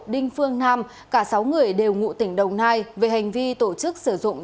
đinh phương nam cả sáu người đều ngụ tỉnh đồng nai về hành vi tổ chức sử dụng